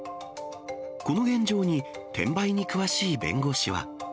この現状に、転売に詳しい弁護士は。